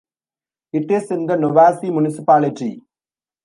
It is in the Novaci Municipality.